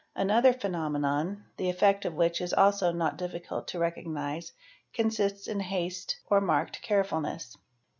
ty Another phenomenon, the effect of which is also not difficult to 2 cognise, consists in haste or marked carefulness.